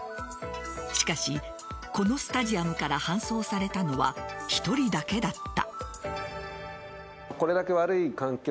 しかし、このスタジアムから搬送されたのは１人だけだった。